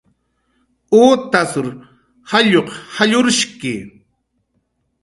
Utas jalluq jallurshki